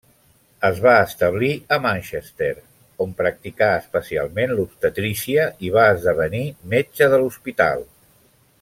Es va establir a Manchester, on practicà especialment l'obstetrícia i va esdevenir metge de l'hospital.